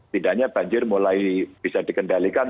tidaknya banjir mulai bisa dikendalikan